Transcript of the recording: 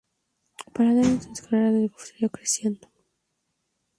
Para ese entonces, la carrera de Rodrigo seguía creciendo.